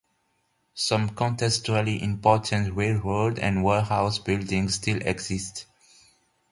Some contextually important railroad and warehouse buildings still exist.